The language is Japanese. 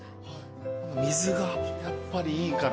水がやっぱりいいから。